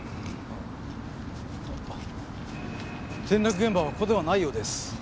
転落現場はここではないようです。